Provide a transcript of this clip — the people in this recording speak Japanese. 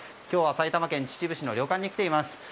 今日は埼玉県秩父市の旅館に来ています。